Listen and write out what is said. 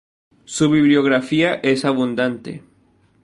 Su bibliografía es abundante.